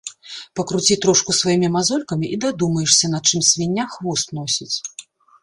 Пакруці трошку сваімі мазолькамі й дадумаешся, на чым свіння хвост носіць.